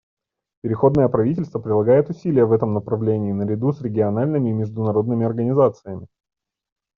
Переходное правительство прилагает усилия в этом направлении наряду с региональными и международными организациями.